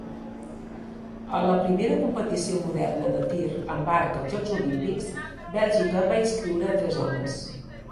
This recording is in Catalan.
A la primera competició moderna de tir amb arc als Jocs Olímpics, Bèlgica va inscriure a tres homes.